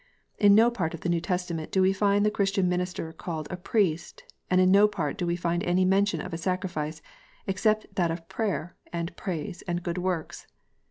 In no part of the New Testament do we find the Christian minister called a priest ; and in no part do we find any mention of a sacrifice, except that of prayer, and praise, and good works.